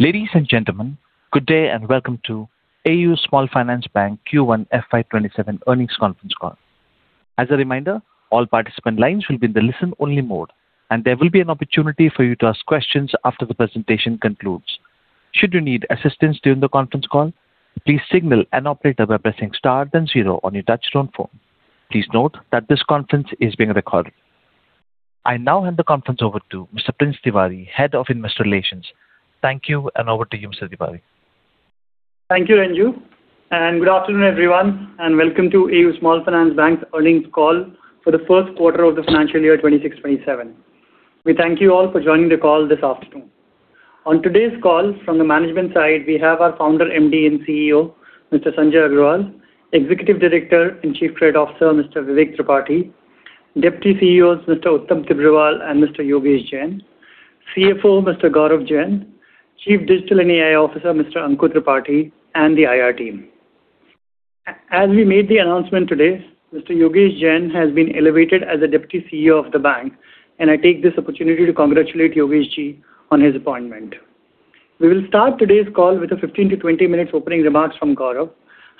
Ladies and gentlemen, good day, welcome to AU Small Finance Bank Q1 FY 2027 earnings conference call. As a reminder, all participant lines will be in the listen-only mode, there will be an opportunity for you to ask questions after the presentation concludes. Should you need assistance during the conference call, please signal an operator by pressing star then zero on your touchtone phone. Please note that this conference is being recorded. I now hand the conference over to Mr. Prince Tiwari, Head of Investor Relations. Thank you, over to you, Mr. Tiwari. Thank you, Renju, good afternoon, everyone, welcome to AU Small Finance Bank's earnings call for the first quarter of the financial year 2026-2027. We thank you all for joining the call this afternoon. On today's call, from the management side, we have our Founder, MD and CEO, Mr. Sanjay Agarwal; Executive Director and Chief Credit Officer, Mr. Vivek Tripathi; Deputy CEOs, Mr. Uttam Tibrewal and Mr. Yogesh Jain; CFO, Mr. Gaurav Jain; Chief Digital and AI Officer, Mr. Ankur Tripathi, and the IR team. As we made the announcement today, Mr. Yogesh Jain has been elevated as a Deputy CEO of the bank, I take this opportunity to congratulate Yogesh Ji on his appointment. We will start today's call with a 15-20 minutes opening remarks from Gaurav,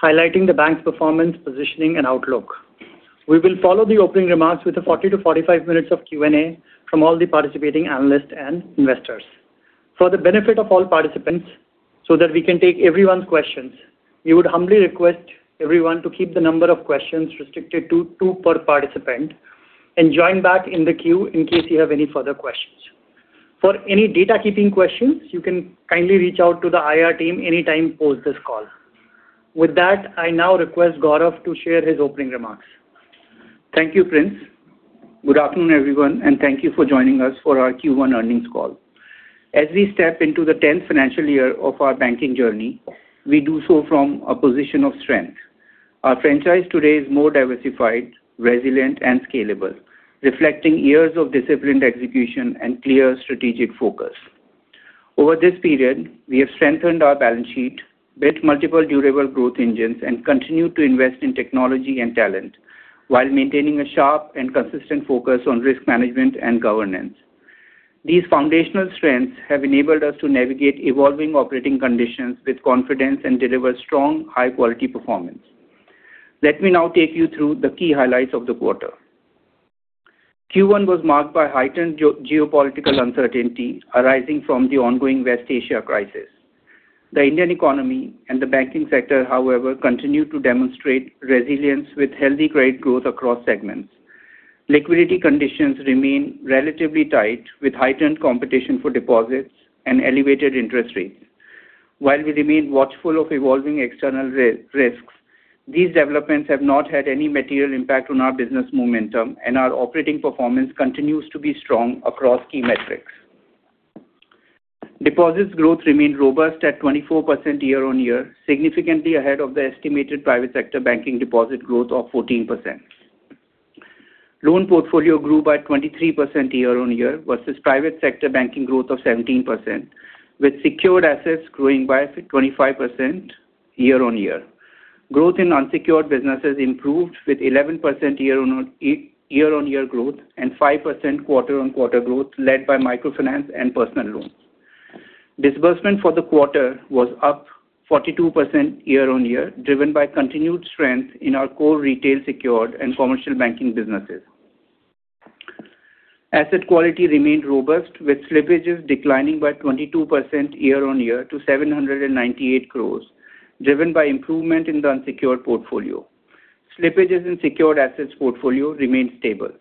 highlighting the bank's performance, positioning and outlook. We will follow the opening remarks with a 40-45 minutes of Q&A from all the participating analysts and investors. For the benefit of all participants, that we can take everyone's questions, we would humbly request everyone to keep the number of questions restricted to two per participant and join back in the queue in case you have any further questions. For any data keeping questions, you can kindly reach out to the IR team anytime post this call. I now request Gaurav to share his opening remarks. Thank you, Prince. Good afternoon, everyone, thank you for joining us for our Q1 earnings call. As we step into the 10th financial year of our banking journey, we do so from a position of strength. Our franchise today is more diversified, resilient and scalable, reflecting years of disciplined execution and clear strategic focus. Over this period, we have strengthened our balance sheet, built multiple durable growth engines, continued to invest in technology and talent while maintaining a sharp and consistent focus on risk management and governance. These foundational strengths have enabled us to navigate evolving operating conditions with confidence and deliver strong, high-quality performance. Let me now take you through the key highlights of the quarter. Q1 was marked by heightened geopolitical uncertainty arising from the ongoing West Asia crisis. The Indian economy and the banking sector, however, continued to demonstrate resilience with healthy credit growth across segments. Liquidity conditions remain relatively tight, with heightened competition for deposits and elevated interest rates. While we remain watchful of evolving external risks, these developments have not had any material impact on our business momentum, and our operating performance continues to be strong across key metrics. Deposits growth remained robust at 24% year-on-year, significantly ahead of the estimated private sector banking deposit growth of 14%. Loan portfolio grew by 23% year-on-year versus private sector banking growth of 17%, with secured assets growing by 25% year-on-year. Growth in unsecured businesses improved with 11% year-on-year growth and 5% quarter-on-quarter growth led by microfinance and personal loans. Disbursement for the quarter was up 42% year-on-year, driven by continued strength in our core retail secured and commercial banking businesses. Asset quality remained robust, with slippages declining by 22% year-on-year to 798 crore, driven by improvement in the unsecured portfolio. Slippages in secured assets portfolio remained stable.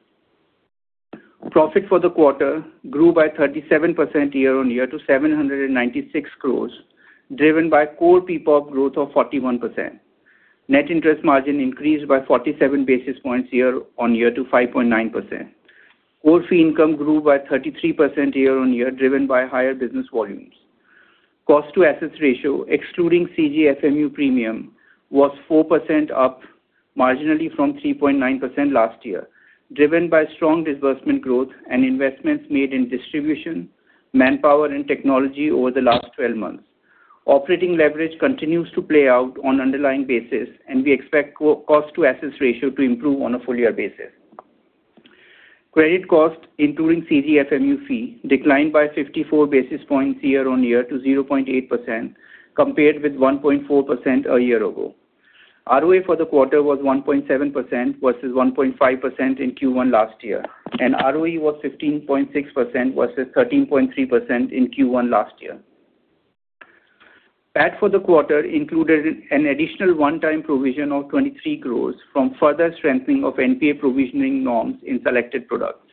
PAT for the quarter grew by 37% year-on-year to 796 crore, driven by core PPoP growth of 41%. Net interest margin increased by 47 basis points year-on-year to 5.9%. Core fee income grew by 33% year-on-year, driven by higher business volumes. Cost to assets ratio, excluding CGFMU premium, was 4% up marginally from 3.9% last year, driven by strong disbursement growth and investments made in distribution, manpower and technology over the last 12 months. Operating leverage continues to play out on underlying basis, and we expect cost to assets ratio to improve on a full-year basis. Credit cost, including CGFMU fee, declined by 54 basis points year-on-year to 0.8%, compared with 1.4% a year ago. ROA for the quarter was 1.7% versus 1.5% in Q1 last year, and ROE was 15.6% versus 13.3% in Q1 last year. PAT for the quarter included an additional one-time provision of 23 crore from further strengthening of NPA provisioning norms in selected products.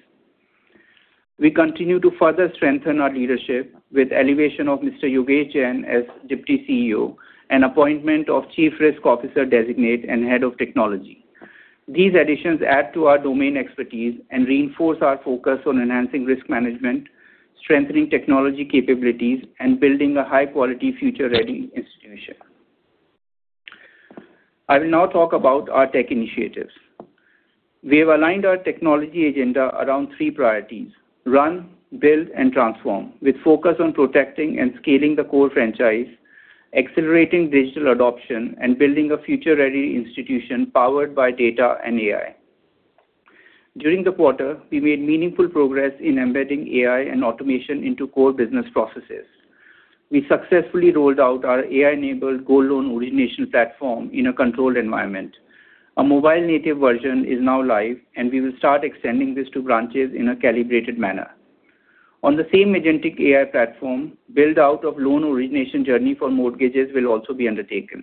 We continue to further strengthen our leadership with elevation of Mr. Yogesh Jain as Deputy CEO and appointment of Chief Risk Officer Designate and Head of Technology. These additions add to our domain expertise and reinforce our focus on enhancing risk management, strengthening technology capabilities, and building a high-quality future-ready institution. I will now talk about our tech initiatives. We have aligned our technology agenda around three priorities: run, build, and transform, with focus on protecting and scaling the core franchise, accelerating digital adoption, and building a future-ready institution powered by data and AI. During the quarter, we made meaningful progress in embedding AI and automation into core business processes. We successfully rolled out our AI-enabled gold loan origination platform in a controlled environment. A mobile native version is now live, and we will start extending this to branches in a calibrated manner. On the same agentic AI platform, build-out of loan origination journey for mortgages will also be undertaken.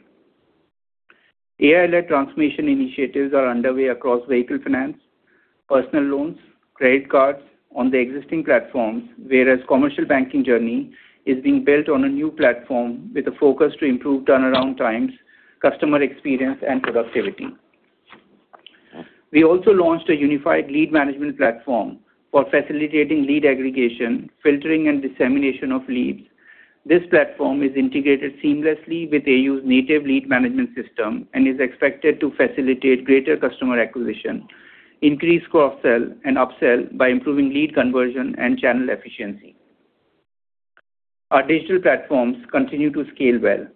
AI-led transformation initiatives are underway across vehicle finance, personal loans, credit cards on the existing platforms, whereas commercial banking journey is being built on a new platform with a focus to improve turnaround times, customer experience, and productivity. We also launched a unified lead management platform for facilitating lead aggregation, filtering, and dissemination of leads. This platform is integrated seamlessly with AU's native lead management system and is expected to facilitate greater customer acquisition, increase cross-sell and upsell by improving lead conversion and channel efficiency. Our digital platforms continue to scale well,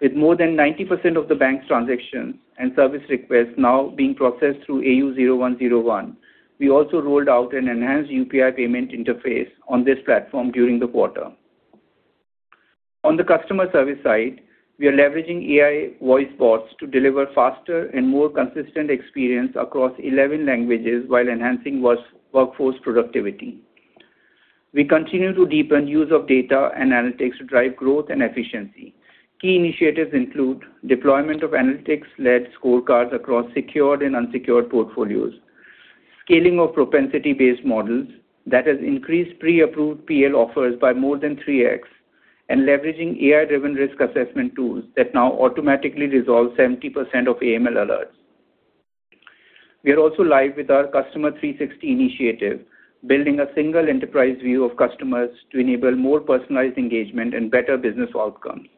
with more than 90% of the bank's transactions and service requests now being processed through AU 0101. We also rolled out an enhanced UPI payment interface on this platform during the quarter. On the customer service side, we are leveraging AI voice bots to deliver faster and more consistent experience across 11 languages while enhancing workforce productivity. We continue to deepen use of data and analytics to drive growth and efficiency. Key initiatives include deployment of analytics-led scorecards across secured and unsecured portfolios, scaling of propensity-based models that has increased pre-approved PL offers by more than 3x, and leveraging AI-driven risk assessment tools that now automatically resolve 70% of AML alerts. We are also live with our Customer 360 initiative, building a single enterprise view of customers to enable more personalized engagement and better business outcomes.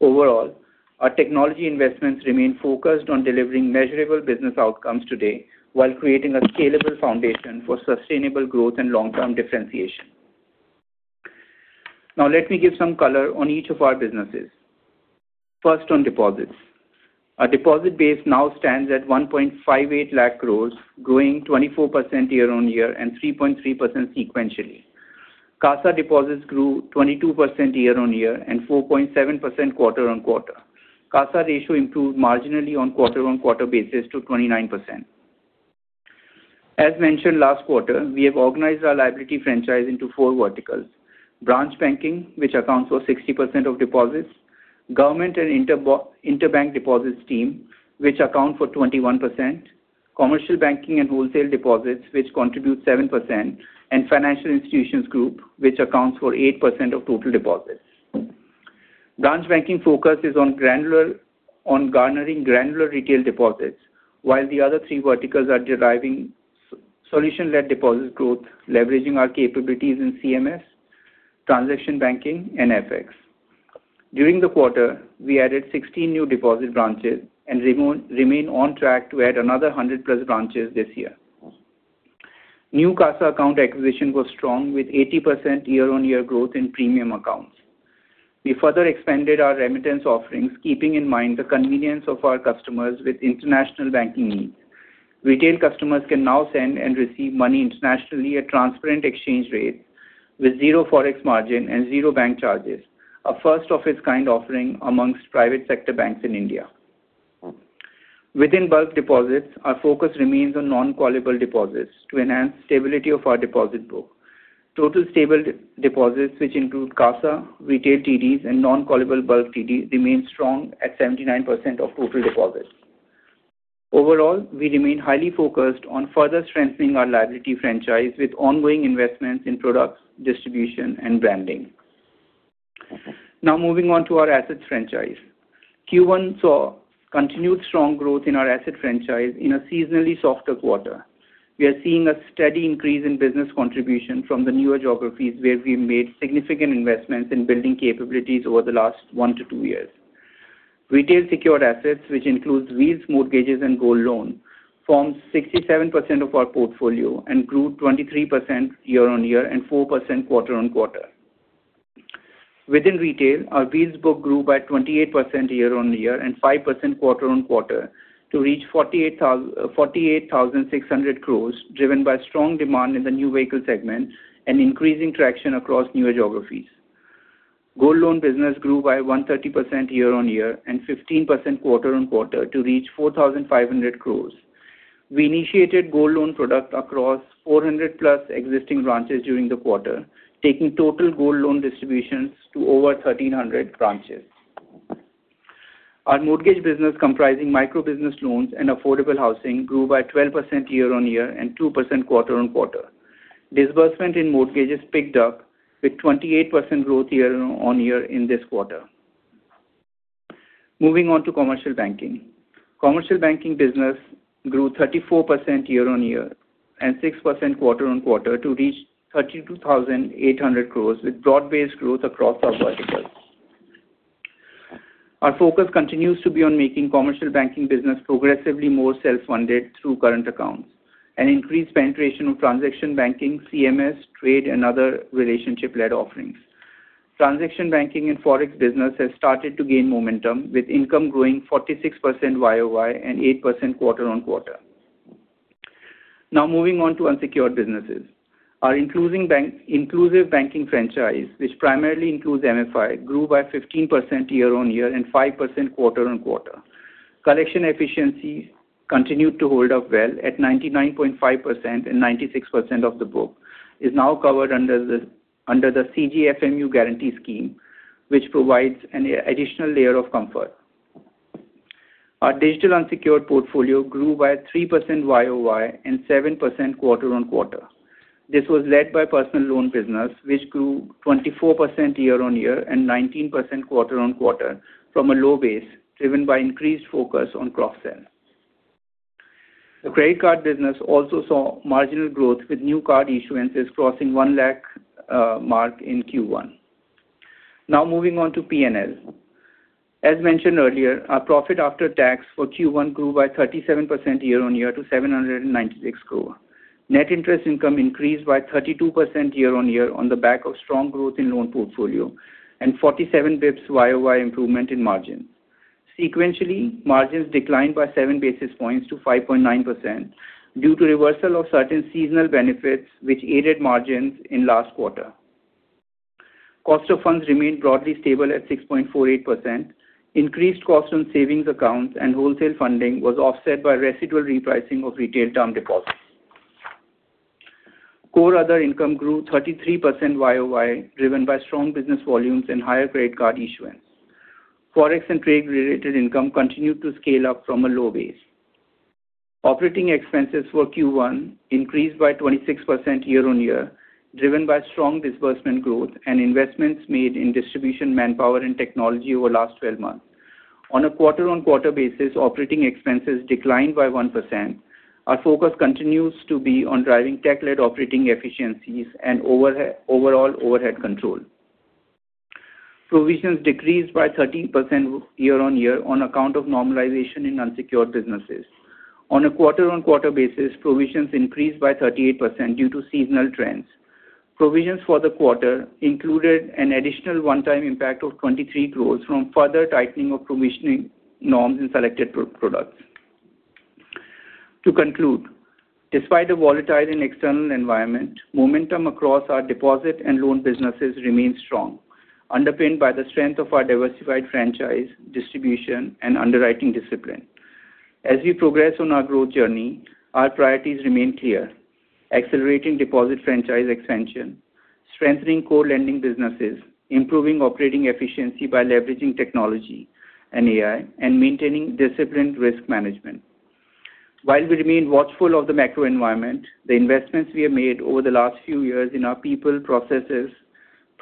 Overall, our technology investments remain focused on delivering measurable business outcomes today while creating a scalable foundation for sustainable growth and long-term differentiation. Now, let me give some color on each of our businesses. First, on deposits. Our deposit base now stands at 1.58 lakh crore, growing 24% year-on-year and 3.3% sequentially. CASA deposits grew 22% year-on-year and 4.7% quarter-on-quarter. CASA ratio improved marginally on quarter-on-quarter basis to 29%. As mentioned last quarter, we have organized our liability franchise into four verticals. Branch banking, which accounts for 60% of deposits, government and interbank deposits team, which account for 21%, commercial banking and wholesale deposits, which contribute 7%, and financial institutions group, which accounts for 8% of total deposits. Branch banking focus is on garnering granular retail deposits while the other three verticals are deriving solution-led deposit growth, leveraging our capabilities in CMS, transaction banking, and FX. During the quarter, we added 16 new deposit branches and remain on track to add another 100+ branches this year. New CASA account acquisition was strong with 80% year-on-year growth in premium accounts. We further expanded our remittance offerings, keeping in mind the convenience of our customers with international banking needs. Retail customers can now send and receive money internationally at transparent exchange rates with zero forex margin and zero bank charges, a first of its kind offering amongst private sector banks in India. Within bulk deposits, our focus remains on non-callable deposits to enhance stability of our deposit book. Total stable deposits, which include CASA, retail TDs, and non-callable bulk TDs, remain strong at 79% of total deposits. Overall, we remain highly focused on further strengthening our liability franchise with ongoing investments in products, distribution, and branding. Now moving on to our assets franchise. Q1 saw continued strong growth in our asset franchise in a seasonally softer quarter. We are seeing a steady increase in business contribution from the newer geographies where we've made significant investments in building capabilities over the last one to two years. Retail secured assets, which includes wheels, mortgages, and gold loan, forms 67% of our portfolio and grew 23% year-on-year and 4% quarter-on-quarter. Within retail, our wheels book grew by 28% year-on-year and 5% quarter-on-quarter to reach 48,600 crore, driven by strong demand in the new vehicle segment and increasing traction across newer geographies. Gold loan business grew by 130% year-on-year and 15% quarter-on-quarter to reach 4,500 crore. We initiated gold loan product across 400+ existing branches during the quarter, taking total gold loan distributions to over 1,300 branches. Our mortgage business comprising micro business loans and affordable housing grew by 12% year-on-year and 2% quarter-on-quarter. Disbursement in mortgages picked up with 28% growth year-on-year in this quarter. Moving on to commercial banking. Commercial banking business grew 34% year-on-year and 6% quarter-on-quarter to reach 32,800 crore, with broad-based growth across our verticals. Our focus continues to be on making commercial banking business progressively more self-funded through Current Accounts and increased penetration of transaction banking, CMS, trade, and other relationship-led offerings. Transaction banking and Forex business has started to gain momentum, with income growing 46% YoY and 8% quarter-on-quarter. Moving on to unsecured businesses. Our inclusive banking franchise, which primarily includes MFI, grew by 15% year-on-year and 5% quarter-on-quarter. Collection efficiencies continued to hold up well at 99.5% and 96% of the book is now covered under the CGFMU guarantee scheme, which provides an additional layer of comfort. Our digital unsecured portfolio grew by 3% YoY and 7% quarter-on-quarter. This was led by personal loan business, which grew 24% year-on-year and 19% quarter-on-quarter from a low base, driven by increased focus on cross-sells. The credit card business also saw marginal growth with new card issuances crossing 1 lakh mark in Q1. Moving on to P&L. As mentioned earlier, our profit after tax for Q1 grew by 37% year-on-year to 796 crore. Net interest income increased by 32% year-on-year on the back of strong growth in loan portfolio and 47 basis points YoY improvement in margin. Sequentially, margins declined by 7 basis points to 5.9% due to reversal of certain seasonal benefits which aided margins in last quarter. Cost of funds remained broadly stable at 6.48%. Increased cost on Savings Accounts and wholesale funding was offset by residual repricing of retail term deposits. Core other income grew 33% YoY, driven by strong business volumes and higher credit card issuance. Forex and trade-related income continued to scale up from a low base. Operating expenses for Q1 increased by 24% year-on-year, driven by strong disbursement growth and investments made in distribution, manpower and technology over last 12 months. On a quarter-on-quarter basis, operating expenses declined by 1%. Our focus continues to be on driving tech-led operating efficiencies and overall overhead control. Provisions decreased by 13% year-on-year on account of normalization in unsecured businesses. On a quarter-on-quarter basis, provisions increased by 38% due to seasonal trends. Provisions for the quarter included an additional one-time impact of 23 crore from further tightening of provisioning norms in selected products. To conclude, despite a volatile and external environment, momentum across our deposit and loan businesses remains strong, underpinned by the strength of our diversified franchise, distribution and underwriting discipline. As we progress on our growth journey, our priorities remain clear: accelerating deposit franchise expansion, strengthening core lending businesses, improving operating efficiency by leveraging technology and AI, and maintaining disciplined risk management. While we remain watchful of the macro environment, the investments we have made over the last few years in our people, processes,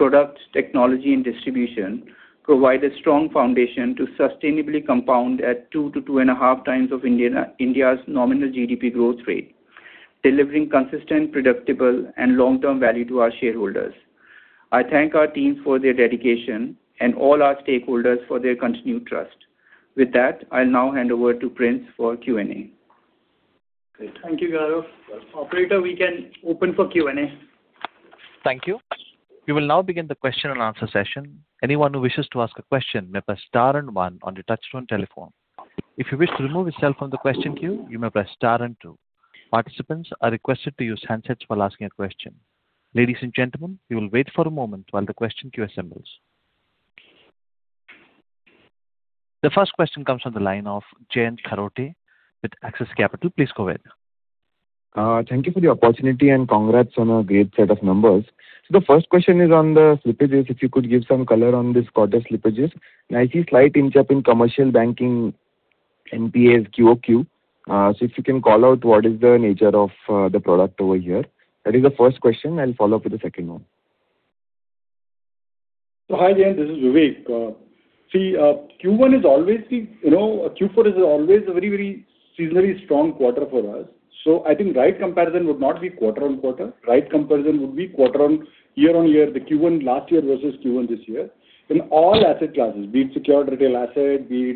products, technology and distribution provide a strong foundation to sustainably compound at two to 2.5x of India's nominal GDP growth rate, delivering consistent, predictable and long-term value to our shareholders. I thank our teams for their dedication and all our stakeholders for their continued trust. With that, I'll now hand over to Prince for Q&A. Great. Thank you, Gaurav. Yes. Operator, we can open for Q&A. Thank you. We will now begin the question-and-answer session. Anyone who wishes to ask a question may press star and one on your touchtone telephone. If you wish to remove yourself from the question queue, you may press star and two. Participants are requested to use handsets while asking a question. Ladies and gentlemen, we will wait for a moment while the question queue assembles. The first question comes from the line of Jayant Kharote with Axis Capital. Please go ahead. Thank you for the opportunity, and congrats on a great set of numbers. The first question is on the slippages. If you could give some color on this quarter slippages. I see slight inch up in commercial banking NPAs QoQ. If you can call out what is the nature of the product over here. That is the first question. I'll follow up with the second one. Hi, Jayant. This is Vivek. Q4 is always a very, very seasonally strong quarter for us. I think right comparison would not be quarter-on-quarter. Right comparison would be year-on-year, the Q1 last year versus Q1 this year. In all asset classes, be it secured retail asset, be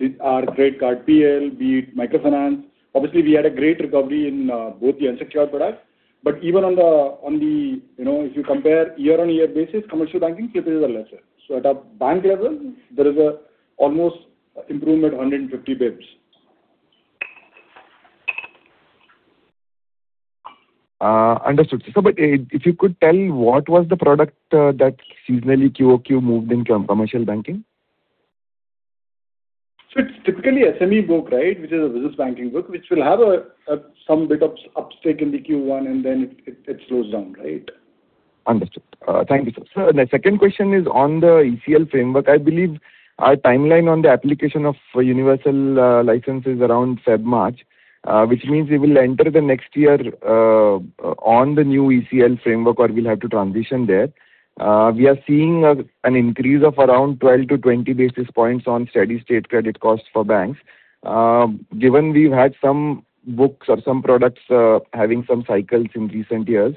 it our credit card PL, be it microfinance. Obviously, we had a great recovery in both the unsecured products. Even if you compare year-on-year basis, commercial banking slippages are lesser. At a bank level, there is almost improvement 150 basis points. Understood, sir. If you could tell what was the product that seasonally QoQ moved in commercial banking? It's typically SME book, which is a business banking book, which will have some bit of upstick in the Q1 and then it slows down. Understood. Thank you, sir. Sir, the second question is on the ECL framework. I believe our timeline on the application of universal license is around February-March, which means we will enter the next year on the new ECL framework, or we'll have to transition there. We are seeing an increase of around 12 basis points-20 basis points on steady-state credit costs for banks. Given we've had some books or some products having some cycles in recent years,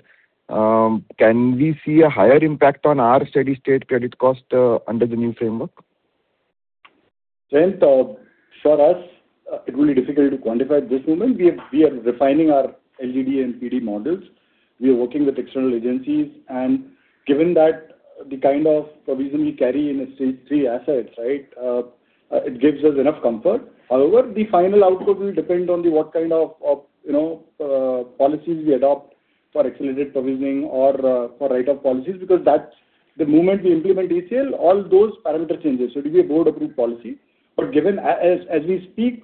can we see a higher impact on our steady-state credit cost under the new framework? Jayant, for us, it will be difficult to quantify at this moment. We are refining our LGD and PD models. We are working with external agencies. Given that the kind of provisioning we carry in Stage III assets, it gives us enough comfort. However, the final output will depend on what kind of policies we adopt for accelerated provisioning or for write-off policies, because the moment we implement ECL, all those parameter changes. It will be a Board-approved policy. As we speak,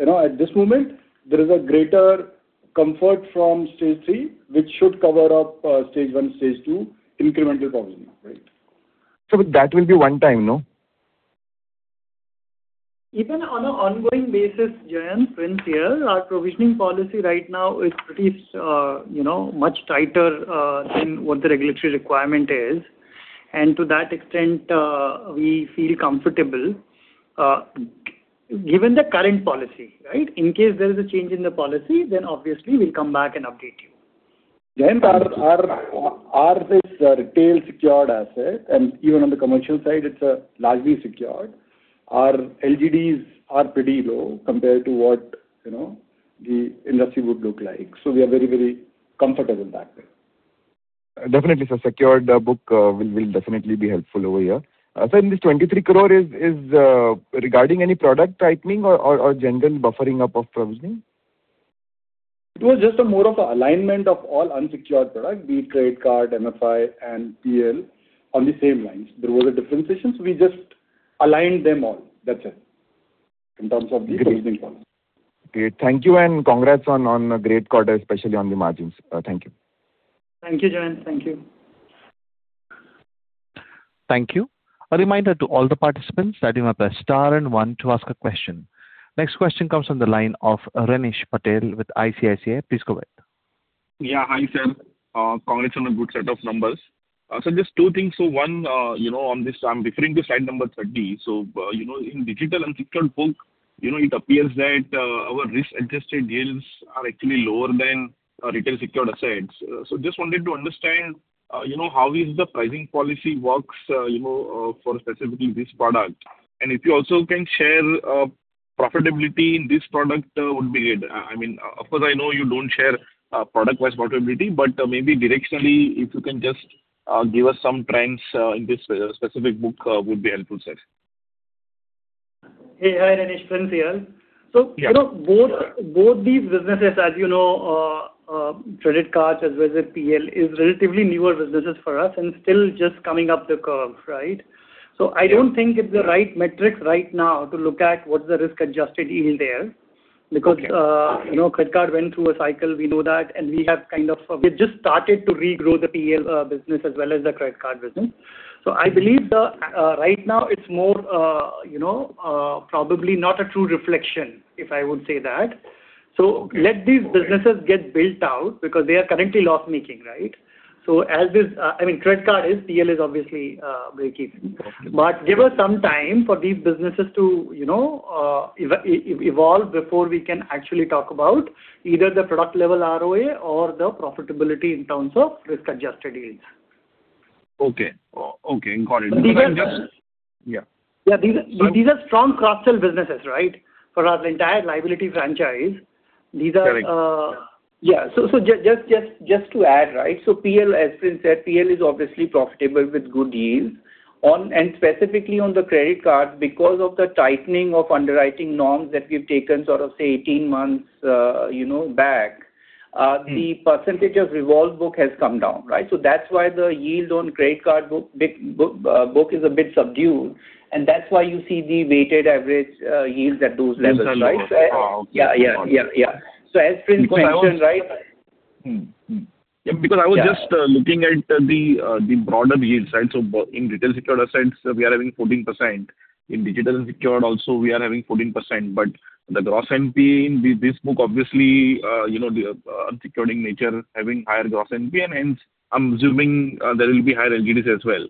at this moment, there is a greater comfort from Stage III, which should cover up Stage I, Stage II incremental provisioning. That will be one time, no? Even on an ongoing basis, Jayant, Prince here. Our provisioning policy right now is much tighter than what the regulatory requirement is, to that extent, we feel comfortable given the current policy. In case there is a change in the policy, obviously we'll come back and update you. Jayant, our retail secured asset, and even on the commercial side, it's largely secured. Our LGDs are pretty low compared to what the industry would look like. We are very comfortable in that way. Definitely, sir. Secured book will definitely be helpful over here. Sir, this 23 crore is regarding any product tightening or general buffering up of provisioning? It was just more of an alignment of all unsecured products, be it credit card, MFI, and PL on the same lines. There were differentiations. We just aligned them all. That's it, in terms of the provisioning policy. Great. Thank you, and congrats on a great quarter, especially on the margins. Thank you. Thank you, Jayant. Thank you. Thank you. A reminder to all the participants that you must press star and one to ask a question. Next question comes on the line of Renish Patel with ICICI. Please go ahead. Hi, sir. Congrats on a good set of numbers. Just two things. One, I am referring to slide number 30. In digital unsecured book, it appears that our risk-adjusted yields are actually lower than retail secured assets. Just wanted to understand how the pricing policy works for specifically this product. And if you also can share profitability in this product would be good. Of course, I know you don't share product-wise profitability, but maybe directionally, if you can just give us some trends in this specific book would be helpful, sir. Hey. Hi, Renish. Prince here- Yeah. ...both these businesses, as you know, credit cards as well as PL, is relatively newer businesses for us and still just coming up the curve. I don't think it's the right metrics right now to look at what's the risk-adjusted yield there, because- Okay. ...credit card went through a cycle, we know that, and we've just started to regrow the PL business as well as the credit card business. I believe that right now it's probably not a true reflection, if I would say that. Let these businesses get built out, because they are currently loss-making. I mean, credit card is, PL is obviously breakeven. Okay. Give us some time for these businesses to evolve before we can actually talk about either the product-level ROA or the profitability in terms of risk-adjusted yields. Okay. Got it. These are- Yeah. Yeah. These are strong cross-sell businesses right [inaudible] liability franchise- Correct. Yeah. Just to add, PL, as Prince said, PL is obviously profitable with good yields. Specifically on the credit card, because of the tightening of underwriting norms that we've taken sort of, say, 18 months back, the percentage of revolve book has come down. That's why the yield on credit card book is a bit subdued, and that's why you see the weighted average yields at those levels. Levels are low. Okay. Yeah. As Prince mentioned. I was just looking at the broader yields. In retail secured assets, we are having 14%, in digital and secured also we are having 14%, the gross NPA in this book, obviously, the unsecured nature having higher gross NPA. Hence, I am assuming there will be higher LGDs as well.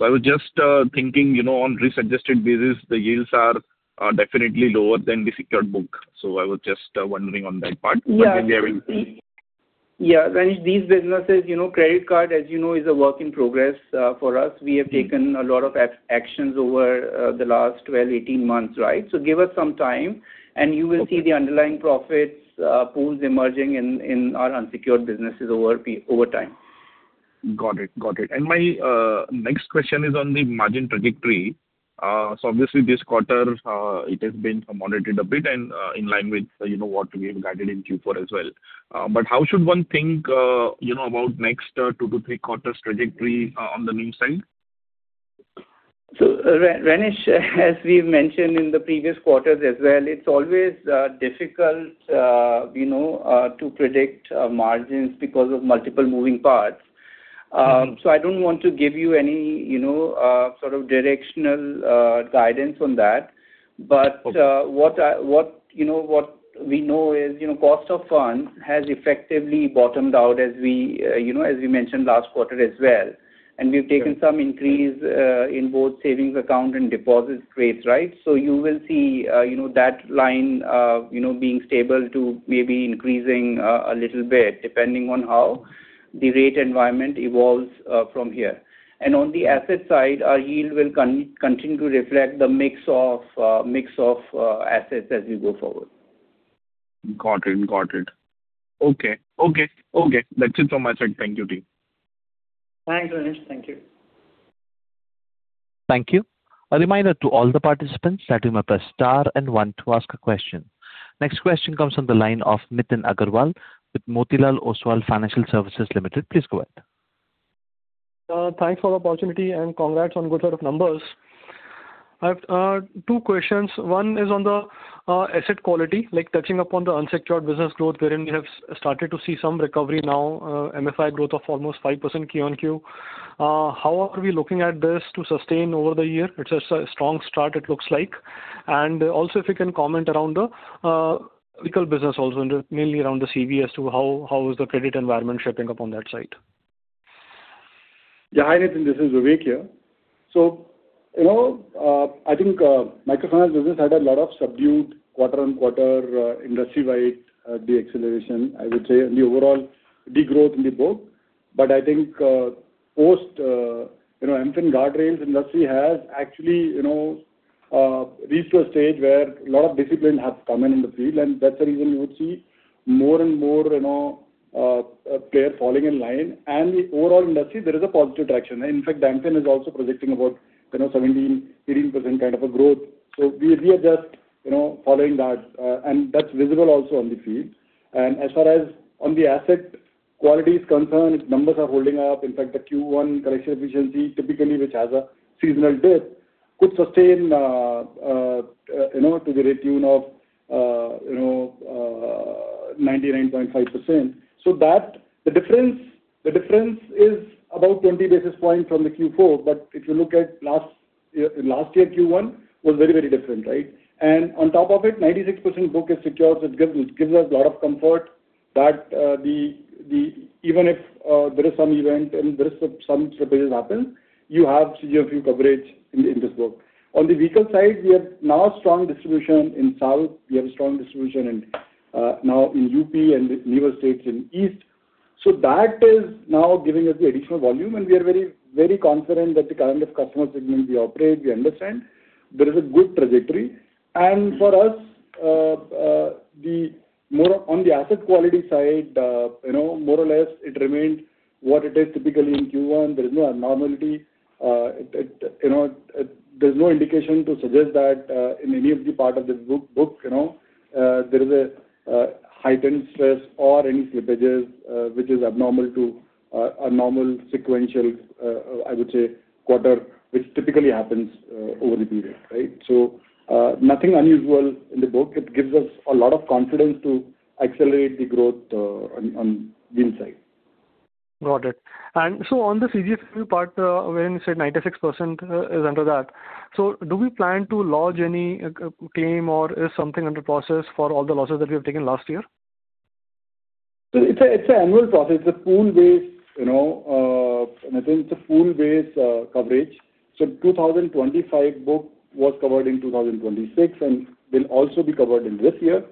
I was just thinking on risk-adjusted basis, the yields are definitely lower than the secured book. I was just wondering on that part. Yeah, Renish, these businesses, credit card as you know is a work in progress for us. We have taken a lot of actions over the last 12, 18 months. Give us some time, and you will see the underlying profits pools emerging in our unsecured businesses over time. Got it. My next question is on the margin trajectory. Obviously this quarter, it has been moderated a bit and in line with what we have guided in Q4 as well. How should one think about next two to three quarters trajectory on the mean side? Renish, as we've mentioned in the previous quarters as well, it's always difficult to predict margins because of multiple moving parts. I don't want to give you any sort of directional guidance on that- Okay. ...but what we know is cost of fund has effectively bottomed out, as we mentioned last quarter as well. We've taken some increase in both savings account and deposits rates. You will see that line being stable to maybe increasing a little bit, depending on how the rate environment evolves from here. On the asset side, our yield will continue to reflect the mix of assets as we go forward. Got it. Okay. That's it from my side. Thank you, team. Thanks, Renish. Thank you. Thank you. A reminder to all the participants that you may press star and one to ask a question. Next question comes from the line of Nitin Aggarwal with Motilal Oswal Financial Services Limited. Please go ahead. Thanks for the opportunity. Congrats on good set of numbers. I have two questions. One is on the asset quality, touching upon the unsecured business growth wherein we have started to see some recovery now, MFI growth of almost 5% QoQ. How are we looking at this to sustain over the year? It's a strong start it looks like. Also, if you can comment around the vehicle business also, and mainly around the CV as to how is the credit environment shaping up on that side. Hi, Nitin. This is Vivek here. I think microfinance business had a lot of subdued quarter-on-quarter industry-wide deceleration, I would say, and the overall degrowth in the book. I think post MFIN guardrails, industry has actually reached to a stage where a lot of discipline has come in in the field, and that's the reason you would see more and more players falling in line. In the overall industry, there is a positive traction. In fact, MFIN is also projecting about 17%-18% kind of a growth. We are just following that, and that's visible also on the field. As far as on the asset quality is concerned, numbers are holding up. In fact, the Q1 collection efficiency, typically, which has a seasonal dip, could sustain to the tune of 99.5%. The difference is about 20 basis points from the Q4. If you look at last year Q1, was very different, right? On top of it, 96% book is secured, so it gives us a lot of comfort that even if there is some event and there is some slippage happen, you have CGFMU coverage in this book. On the vehicle side, we have now strong distribution in South, we have a strong distribution now in U.P. and newer states in East. That is now giving us the additional volume, and we are very confident that the kind of customer segment we operate, we understand. There is a good trajectory. For us, on the asset quality side, more or less it remains what it is typically in Q1. There is no abnormality. There's no indication to suggest that in any of the part of this book there is a heightened stress or any slippages which is abnormal to a normal sequential, I would say, quarter, which typically happens over the period. Right? Nothing unusual in the book. It gives us a lot of confidence to accelerate the growth on the inside. Got it. On the CGFMU part, when you said 96% is under that, do we plan to lodge any claim or is something under process for all the losses that we have taken last year? It's an annual process. I think it's a pool-based coverage. 2025 book was covered in 2026 and will also be covered in this year.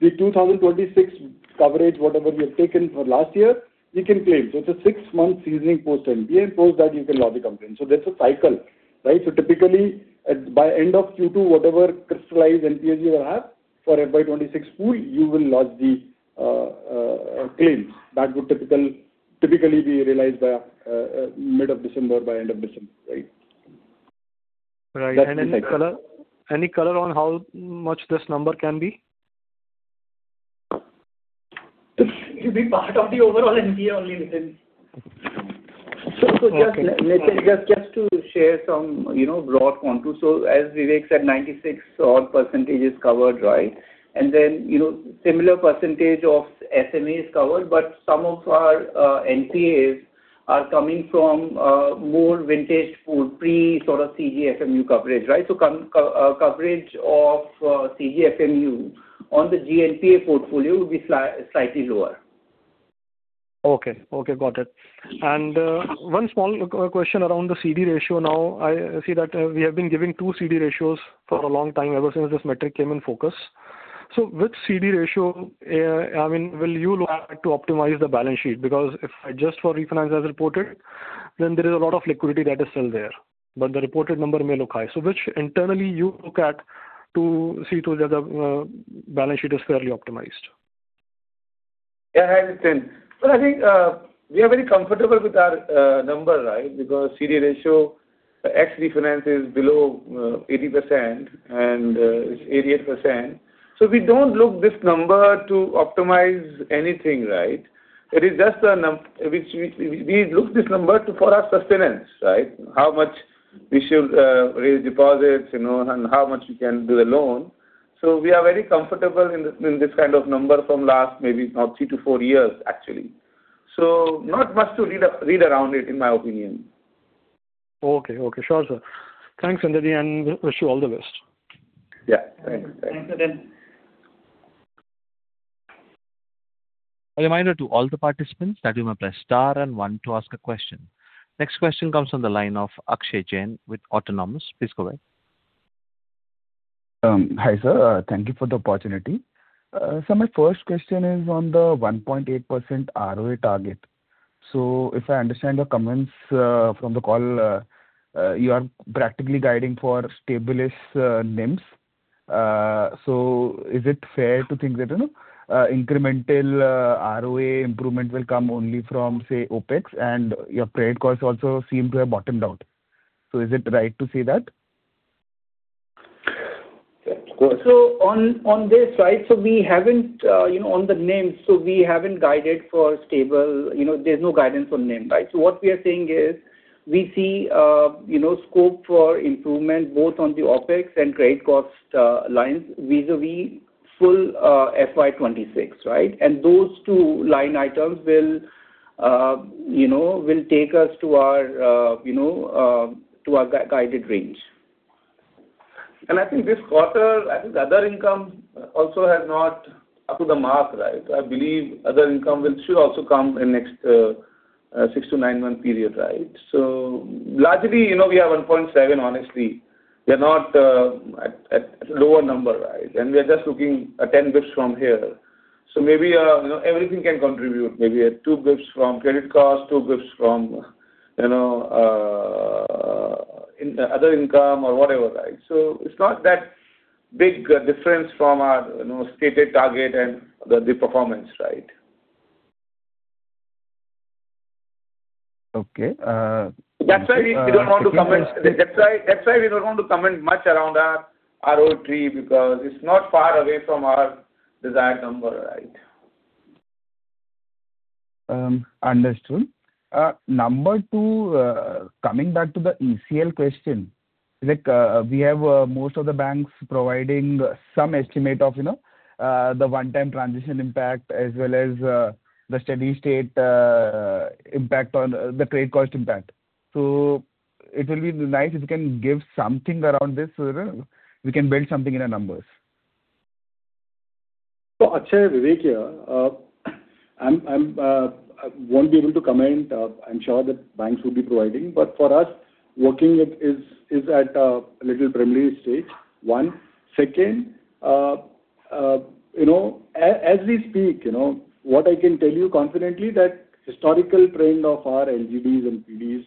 The 2026 coverage, whatever we have taken for last year, we can claim. It's a six-month seasoning post NPA. Post that, you can lodge the complaint. That's a cycle, right? Typically, by end of Q2, whatever crystallized NPAs you have for FY 2026 pool, you will lodge the claims. That would typically be realized by mid of December, by end of December, right? Right. Any color on how much this number can be? It will be part of the overall NPA only, Nitin. Just to share some broad contours. As Vivek said, 96-odd% is covered, right? Similar percentage of SME is covered, some of our NPAs are coming from more vintage pool, pre sort of CGFMU coverage. Right? Coverage of CGFMU on the GNPA portfolio will be slightly lower. Okay. Got it. One small question around the CD ratio now. I see that we have been giving two CD ratios for a long time, ever since this metric came in focus. Which CD ratio will you look at to optimize the balance sheet? If I adjust for refinance as reported, there is a lot of liquidity that is still there, the reported number may look high. Which internally you look at to see to it that the balance sheet is fairly optimized? Yeah. Hi, Nitin. I think we are very comfortable with our number, right? CD ratio, ex refinance is below 80%, it's 88%. We don't look this number to optimize anything, right? We look this number for our sustenance, right? How much we should raise deposits, how much we can do the loan. We are very comfortable in this kind of number from last maybe now three to four years, actually. Not much to read around it, in my opinion. Okay. Sure, sir. Thanks, Sanjay and wish you all the best. Yeah. Thanks. Thanks, Nitin. A reminder to all the participants that you may press star and one to ask a question. Next question comes from the line of Akshay Jain with Autonomous. Please go ahead. Hi, sir. Thank you for the opportunity. My first question is on the 1.8% ROA target. If I understand your comments from the call, you are practically guiding for stable NIMs. Is it fair to think that incremental ROA improvement will come only from, say, OpEx and your credit costs also seem to have bottomed out. Is it right to say that? On this, we haven't, on the NIMs, we haven't guided for stable. There's no guidance on NIM. What we are saying is, we see scope for improvement both on the OpEx and credit cost lines vis-a-vis full FY 2026. Those two line items will take us to our guided range. I think this quarter, I think other income also has not up to the mark. I believe other income should also come in next six-to-nine-month period. Largely, we are 1.7%, honestly. We are not at lower number. We are just looking at 10 basis points from here. Maybe everything can contribute. Maybe 2 basis points from credit cost, 2 basis points from other income or whatever. It's not that big difference from our stated target and the performance. Okay. That's why we don't want to comment much around our ROA because it's not far away from our desired number. Understood. Number two, coming back to the ECL question. We have most of the banks providing some estimate of the one-time transition impact as well as the steady state impact on the trade cost impact. It will be nice if you can give something around this so that we can build something in our numbers. Akshay, Vivek here. I won't be able to comment. I'm sure that banks will be providing. For us, working it is at a little preliminary Stage I. Second, as we speak, what I can tell you confidently that historical trend of our LGDs and PDs,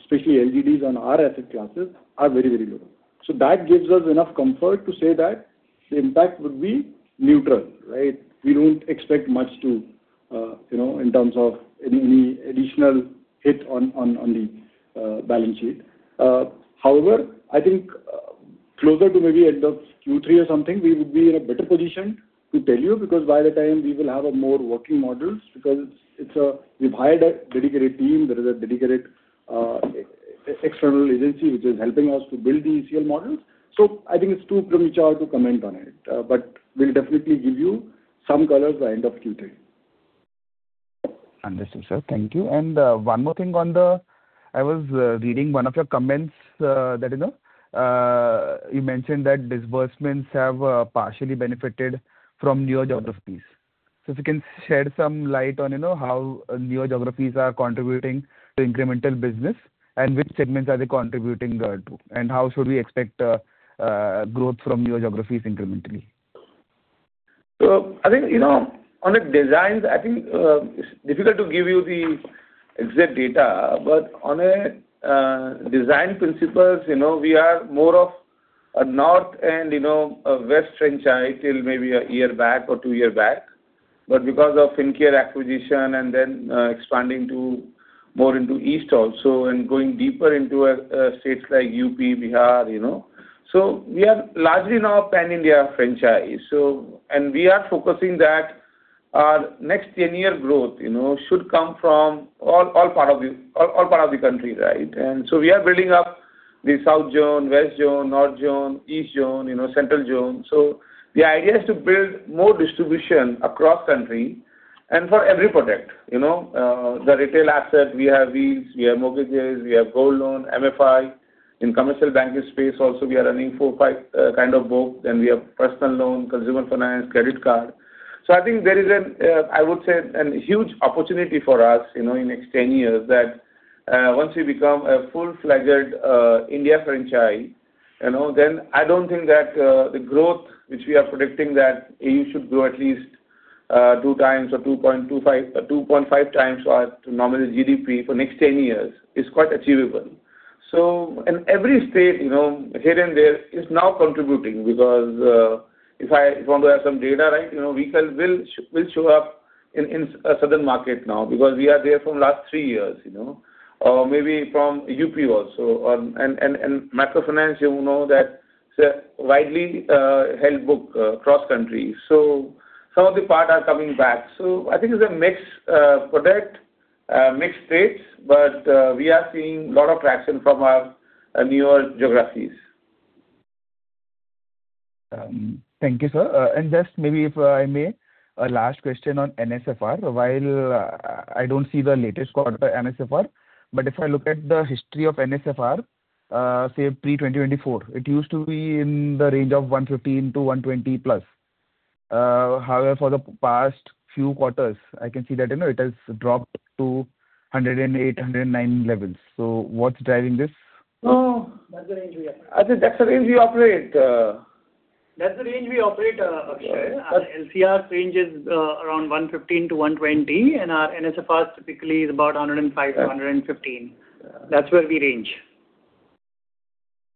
especially LGDs on our asset classes, are very, very low. That gives us enough comfort to say that the impact would be neutral. We don't expect much in terms of any additional hit on the balance sheet. However, I think closer to maybe end of Q3 or something, we would be in a better position to tell you, because by that time we will have a more working models because we've hired a dedicated team. There is a dedicated external agency which is helping us to build the ECL models. I think it's too premature to comment on it. We'll definitely give you some colors by end of Q3. Understood, sir. Thank you. One more thing on the, I was reading one of your comments, you mentioned that disbursements have partially benefited from newer geographies. If you can shed some light on how newer geographies are contributing to incremental business and which segments are they contributing to, and how should we expect growth from newer geographies incrementally. I think on a design, it's difficult to give you the exact data, but on design principles, we are more of a north and a west franchise till maybe a year back or two year back. Because of Fincare acquisition and then expanding more into east also and going deeper into states like U.P., Bihar. We are largely now a pan-India franchise. We are focusing that our next 10-year growth should come from all part of the country. We are building up the south zone, west zone, north zone, east zone, central zone. The idea is to build more distribution across country and for every product. The retail asset, we have wheels, we have mortgages, we have gold loan, MFI. In commercial banking space also, we are running four, five kind of book. We have personal loan, consumer finance, credit card. I think there is, I would say, a huge opportunity for us in next 10 years that once we become a full-fledged India franchise, I don't think that the growth which we are predicting that AU should grow at least 2x or 2.5x our nominal GDP for next 10 years is quite achievable. Every state, here and there, is now contributing because if I want to have some data, we'll show up in southern market now because we are there from last three years. Or maybe from U.P. also. Macro finance, you know that it's a widely held book cross-country. Some of the part are coming back. I think it's a mixed product, mixed states, but we are seeing lot of traction from our newer geographies. Thank you, sir. Just maybe if I may, a last question on NSFR. While I don't see the latest quarter NSFR, but if I look at the history of NSFR, say pre-2024, it used to be in the range of 115%-120%+. However, for the past few quarters, I can see that it has dropped to 108%, 109% levels. What's driving this? I think that's the range we operate. That's the range we operate, Akshay. Our LCR range is around 115%-120%, and our NSFR typically is about 105%-115%. That's where we range.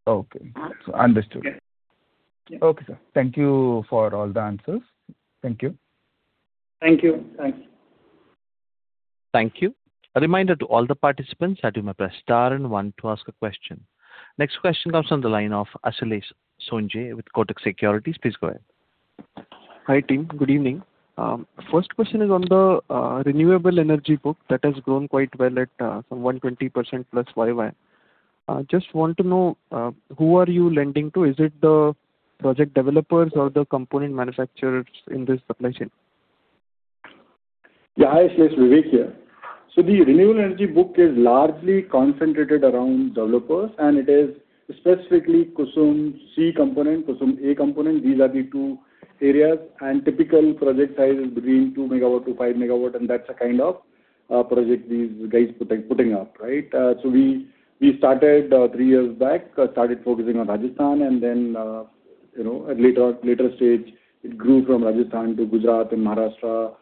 Okay. Understood. Yes. Okay, sir. Thank you for all the answers. Thank you. Thank you. Thank you. A reminder to all the participants that you may press star and one to ask a question. Next question comes on the line of Ashlesh Sonje with Kotak Securities. Please go ahead. Hi, team. Good evening. First question is on the renewable energy book that has grown quite well at some 120%+ less YoY. Just want to know, who are you lending to? Is it the project developers or the component manufacturers in this supply chain? Yeah, hi, Ashlesh. Vivek here. The renewable energy book is largely concentrated around developers, and it is specifically KUSUM-C component, KUSUM-A component. These are the two areas, and typical project size is between 2 MW-5 MW, and that's the kind of project these guys putting up. We started three years back, started focusing on Rajasthan, and then at later stage it grew from Rajasthan to Gujarat and Maharashtra,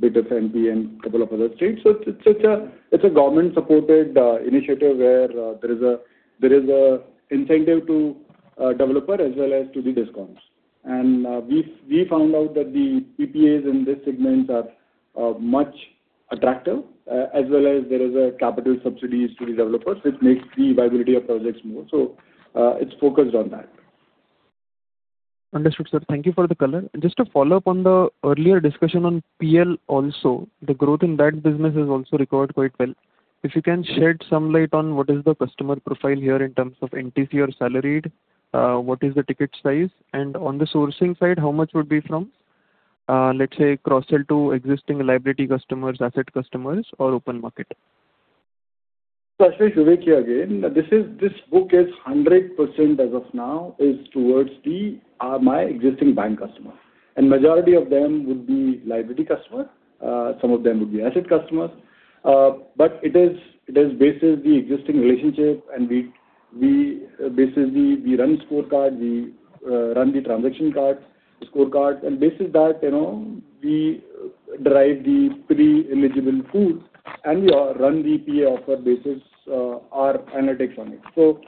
bit of MP and couple of other states. It's a government-supported initiative where there is an incentive to developer as well as to the discounts. We found out that the PPAs in this segment are much attractive as well as there is a capital subsidies to the developers, which makes the viability of projects more. It's focused on that. Understood, sir. Thank you for the color. Just to follow up on the earlier discussion on PL also, the growth in that business has also recorded quite well. If you can shed some light on what is the customer profile here in terms of entity or salaried, what is the ticket size, and on the sourcing side, how much would be from, let's say, cross-sell to existing liability customers, asset customers, or open market? Ashlesh, Vivek here again. This book is 100%, as of now, is towards my existing bank customers. Majority of them would be liability customer, some of them would be asset customers. It is basis the existing relationship, and basis we run scorecard, we run the transaction card, scorecard, and basis that we derive the pre-eligible pool, and we run the PA offer basis our analytics on it.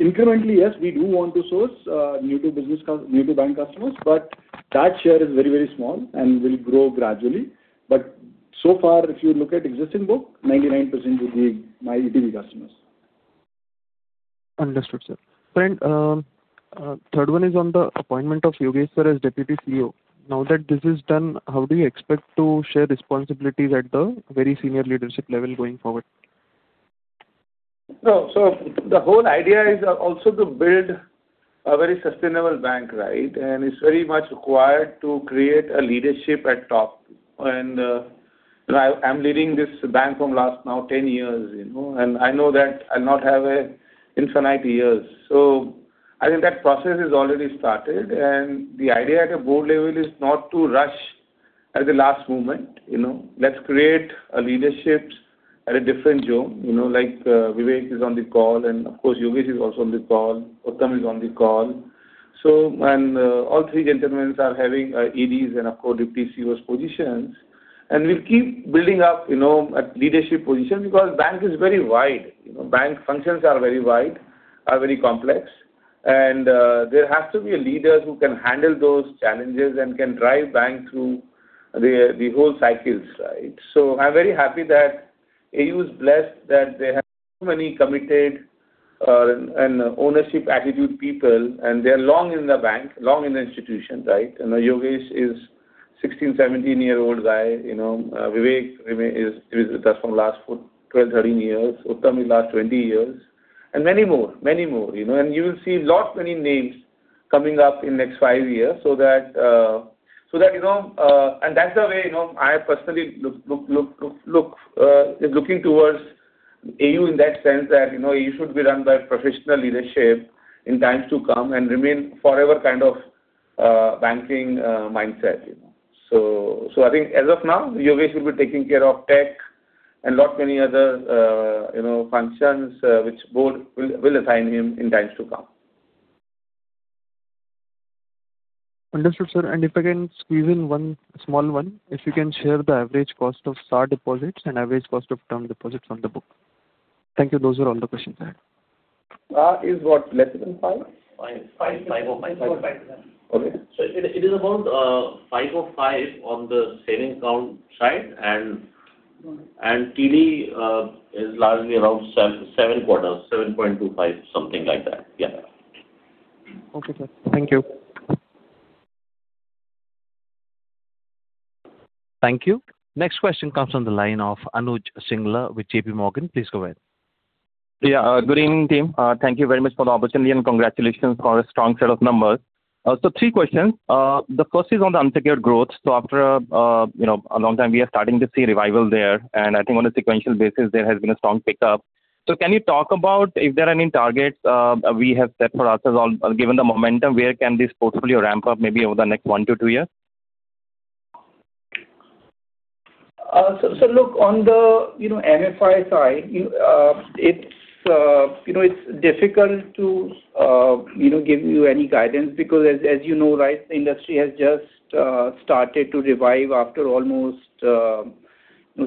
Incrementally, yes, we do want to source new to bank customers, but that share is very small and will grow gradually. So far, if you look at existing book, 99% would be my eIDV customers. Understood, sir. Third one is on the appointment of Yogesh sir as Deputy CEO. Now that this is done, how do you expect to share responsibilities at the very senior leadership level going forward? The whole idea is also to build a very sustainable bank. It's very much required to create a leadership at top. I'm leading this bank from last now 10 years, and I know that I'll not have infinite years. I think that process is already started, and the idea at a board level is not to rush at the last moment. Let's create a leadership at a different zone. Like Vivek is on the call and of course, Yogesh is also on the call, Uttam is on the call. When all three gentlemen are having EDs and Deputy CEOs positions. We'll keep building up leadership positions because bank is very wide. Bank functions are very wide, are very complex, and there has to be a leader who can handle those challenges and can drive bank through the whole cycles. I'm very happy that AU is blessed that they have so many committed and ownership attitude people, and they are long in the bank, long in the institution. Yogesh is 16, 17-year-old guy. Vivek is with us from last 12, 13 years, Uttam is last 20 years. Many more. You will see lot many names coming up in next five years. That's the way I personally looking towards AU in that sense that AU should be run by professional leadership in times to come and remain forever kind of banking mindset. I think as of now, Yogesh will be taking care of tech and lot many other functions which board will assign him in times to come. Understood, sir. If I can squeeze in one small one. If you can share the average cost of SA deposits and average cost of term deposits on the book. Thank you. Those were all the questions I had. SA is what? Less than five? 5. 5. It is about 5.05 on the savings account side. TD is largely around 7.25, something like that. Yeah. Okay, sir. Thank you. Thank you. Next question comes from the line of Anuj Singla with JPMorgan. Please go ahead. Yeah. Good evening, team. Thank you very much for the opportunity and congratulations for a strong set of numbers. Three questions. The first is on the unsecured growth. After a long time, we are starting to see revival there, and I think on a sequential basis there has been a strong pickup. Can you talk about if there are any targets we have set for ourselves or given the momentum, where can this portfolio ramp up maybe over the next one to two years? Look, on the MFI side, it is difficult to give you any guidance because as you know, the industry has just started to revive after almost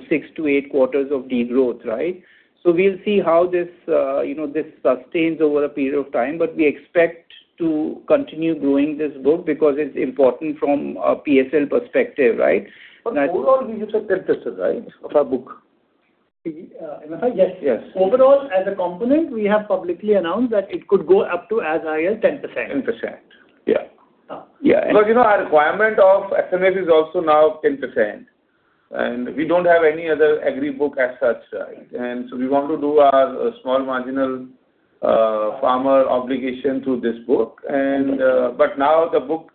six to eight quarters of de-growth. Right? We will see how this sustains over a period of time, but we expect to continue growing this book because it is important from a PSL perspective. Right? Overall, we use a 10%, right, of our book. MFI? Yes. Yes. Overall, as a component, we have publicly announced that it could go up to as high as 10%. 10%. Yeah. Yeah. Our requirement of MFI is also now 10%. We don't have any other agri book as such. Right? We want to do our small marginal farmer obligation through this book. Now the book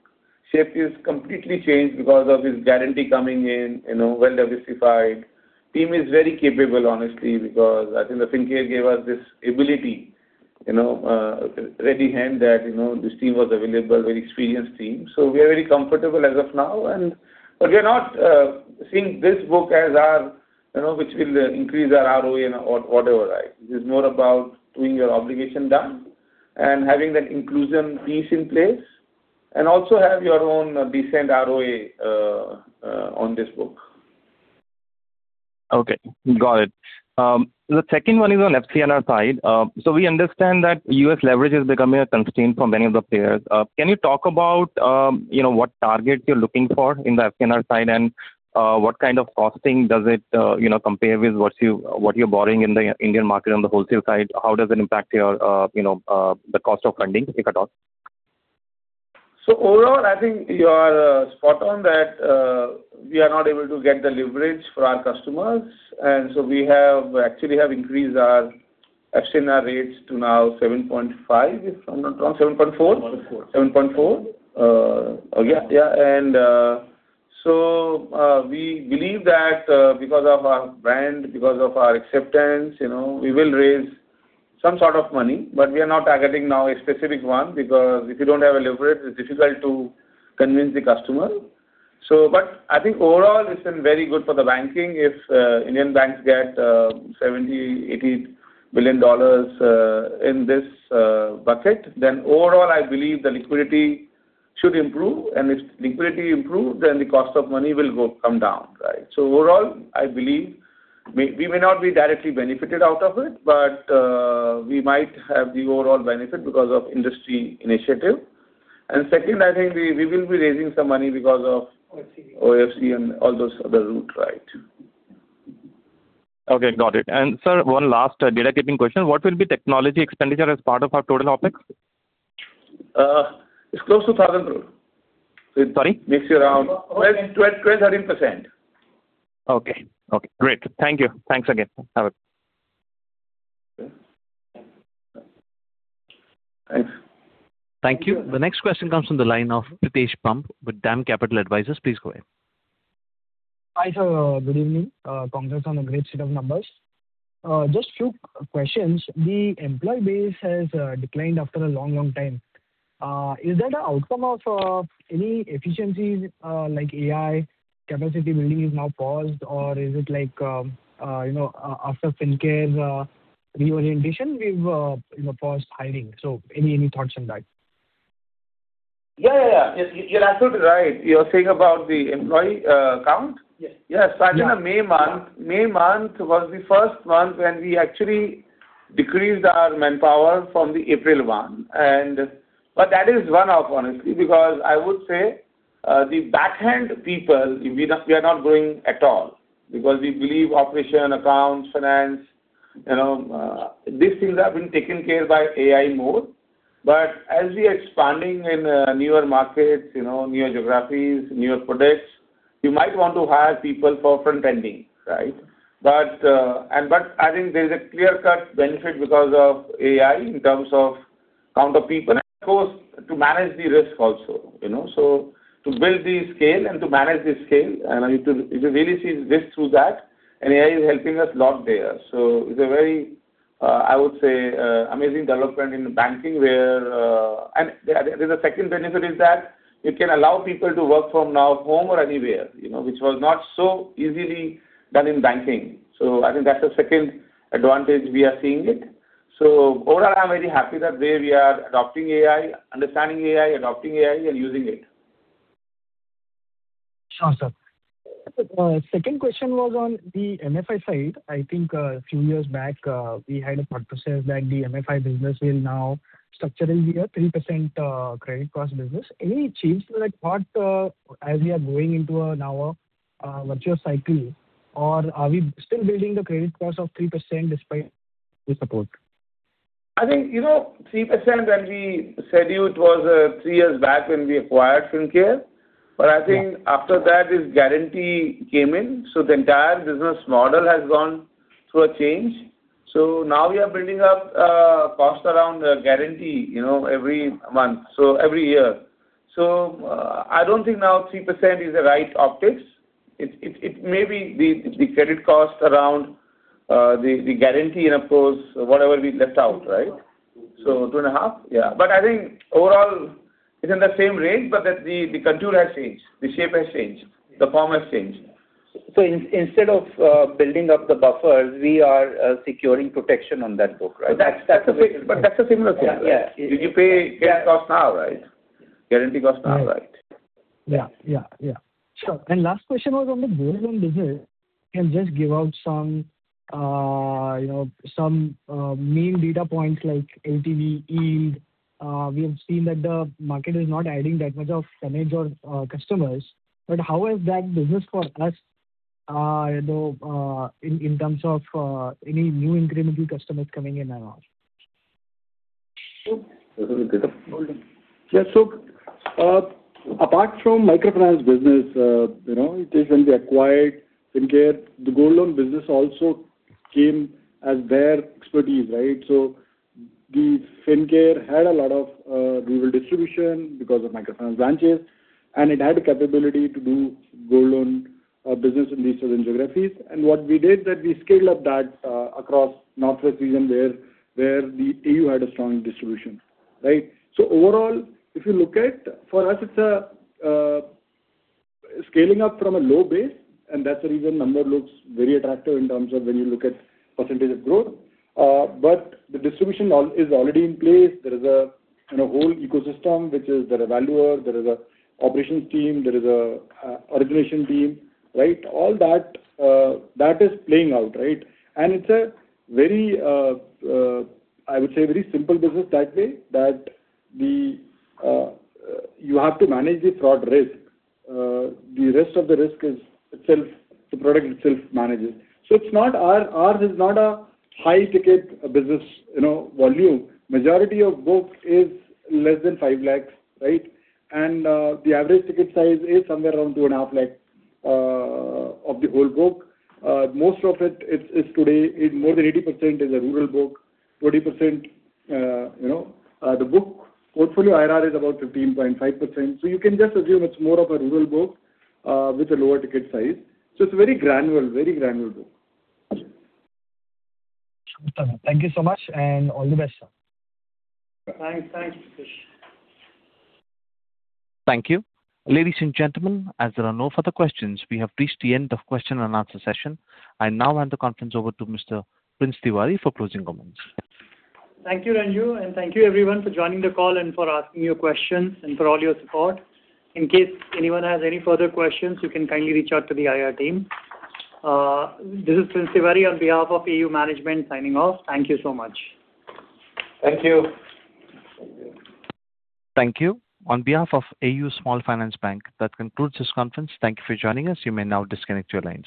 shape is completely changed because of this guarantee coming in, well-diversified. Team is very capable, honestly, because I think the Fincare gave us this ability, a ready hand that this team was available, very experienced team. We are very comfortable as of now. We are not seeing this book as which will increase our ROE and whatever. This is more about doing your obligation done and having that inclusion piece in place, and also have your own decent ROA on this book. Okay. Got it. The second one is on FCNR side. We understand that U.S. leverage is becoming a constraint for many of the players. Can you talk about what target you are looking for in the FCNR side, and what kind of costing does it compare with what you are borrowing in the Indian market on the wholesale side? How does it impact the cost of funding, if at all? Overall, I think you are spot on that we are not able to get the leverage for our customers. We actually have increased our FCNR rates to now 7.5%, if I am not wrong. 7.4%? 7.4%. 7.4%? Yeah. We believe that because of our brand, because of our acceptance, we will raise some sort of money. We are not targeting now a specific one, because if you do not have a leverage, it is difficult to convince the customer. I think overall, it has been very good for the banking. If Indian banks get INR 70 billion-INR 80 billion in this bucket, overall, I believe the liquidity should improve. If liquidity improves, the cost of money will come down. Right. Overall, I believe we may not be directly benefited out of it, but we might have the overall benefit because of industry initiative. Second, I think we will be raising some money because of- OFC. ...OFC and all those other route. Right. Okay. Got it. Sir, one last data keeping question. What will be technology expenditure as part of our total OpEx? It's close to 1,000 crore. Sorry? This year around. 12%, 13%. Okay. Great. Thank you. Thanks again. Have a good day. Thanks. Thank you. The next question comes from the line of Pritesh Bumb with DAM Capital Advisors. Please go ahead. Hi, sir. Good evening. Congrats on the great set of numbers. Just a few questions. The employee base has declined after a long time. Is that an outcome of any efficiencies like AI, capacity building is now paused? Or is it like, after Fincare's reorientation, we've paused hiring? So any thoughts on that? Yeah. You're absolutely right. You're saying about the employee count? Yes. Yes. Starting in May month. May month was the first month when we actually decreased our manpower from the April 1. That is one-off, honestly, because I would say the back-end people, we are not growing at all because we believe operation, accounts, finance, these things have been taken care of by AI more. As we expanding in newer markets, newer geographies, newer products, you might want to hire people for front-ending. Right? I think there is a clear-cut benefit because of AI in terms of count of people, and of course, to manage the risk also. To build the scale and to manage the scale, you should really see risk through that, and AI is helping us a lot there. It's a very, I would say, amazing development in banking. There's a second benefit is that it can allow people to work from now home or anywhere, which was not so easily done in banking. I think that's the second advantage we are seeing it. Overall, I'm very happy that there we are understanding AI, adopting AI, and using it. Sure, sir. Second question was on the MFI side. I think a few years back, we had a thought process that the MFI business will now structurally be a 3% credit cost business. Any change to that thought as we are going into now a mature cycle? Are we still building the credit cost of 3% despite the support? I think 3% when we said it was three years back when we acquired Fincare. I think after that, this guarantee came in, the entire business model has gone through a change. Now we are building up cost around guarantee every year. I don't think now 3% is the right optics. It may be the credit cost around The guarantee of course, whatever we left out, right? 2.5%? Yeah. I think overall it's in the same range, the contour has changed, the shape has changed, the form has changed. Instead of building up the buffer, we are securing protection on that book, right? That's a similar thing, right? Yeah. You pay guarantee cost now, right? Yeah. Sure. Last question was on the gold loan business. Can you just give out some main data points like LTV, yield? We have seen that the market is not adding that much of tonnage or customers, but how is that business for us in terms of any new incremental customers coming in or out? Yes, apart from microfinance business, when we acquired Fincare, the gold loan business also came as their expertise, right? Fincare had a lot of rural distribution because of microfinance branches, and it had the capability to do gold loan business in these certain geographies. What we did that we scaled up that across Northwest region where AU had a strong distribution. Right? Overall, if you look at, for us, it's a scaling up from a low base, and that's the reason number looks very attractive in terms of when you look at percentage of growth. The distribution is already in place. There is a whole ecosystem, which is there a valuer, there is a operations team, there is a origination team. Right? All that is playing out. Right? It's a very, I would say, very simple business that way that you have to manage the fraud risk. The rest of the risk is the product itself manages. Ours is not a high-ticket business volume. Majority of book is less than 5 lakhs, right? The average ticket size is somewhere around 2.5 lakh of the whole book. Most of it is today more than 80% is a rural book. 20% The book portfolio IRR is about 15.5%. You can just assume it's more of a rural book with a lower ticket size. It's a very granular book. Thank you so much, and all the best, sir. Thanks, Pritesh. Thank you. Ladies and gentlemen, as there are no further questions, we have reached the end of question and answer session. I now hand the conference over to Mr. Prince Tiwari for closing comments. Thank you, Renju, and thank you everyone for joining the call and for asking your questions and for all your support. In case anyone has any further questions, you can kindly reach out to the IR team. This is Prince Tiwari on behalf of AU management, signing off. Thank you so much. Thank you. Thank you. On behalf of AU Small Finance Bank, that concludes this conference. Thank you for joining us. You may now disconnect your lines.